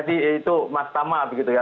itu mas sama begitu ya